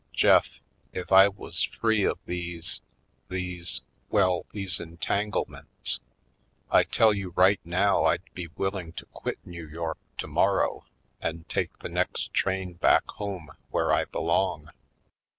... Jeff, if I was free of these — these — ^well, these en tanglements — I tell you right now I'd be willing to quit New York tomorrow and take the next train back home where I be long."